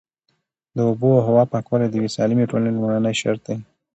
د اوبو او هوا پاکوالی د یوې سالمې ټولنې لومړنی شرط دی.